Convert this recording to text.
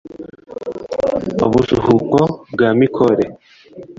Wa Busuhuko bwa Mikore,